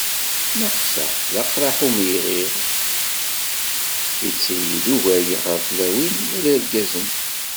Nnaqsa d aqraḥ n umelɣiɣ, yettili-d ugar ɣer tlawin wala irgazen.